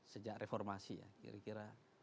sejak reformasi ya kira kira